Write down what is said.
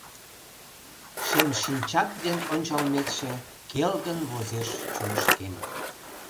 Шем шинчат ден ончалметше Келгын возеш чонышкем.